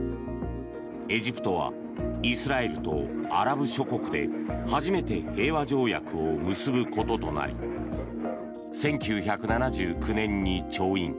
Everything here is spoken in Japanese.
エジプトはイスラエルとアラブ諸国で初めて平和条約を結ぶこととなり１９７９年に調印。